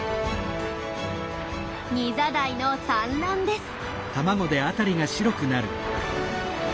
ニザダイの産卵です。